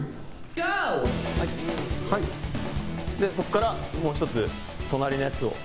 そこから、もう１つ隣のやつを。